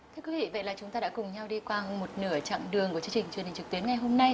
thưa quý vị vậy là chúng ta đã cùng nhau đi qua một nửa chặng đường của chương trình truyền hình trực tuyến ngày hôm nay